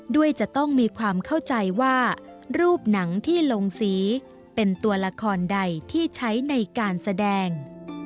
ด้วยจะต้องมีความเข้าใจว่ารูปหนังที่ลงสีเป็นตัวละครใดที่ใช้ในการแสดง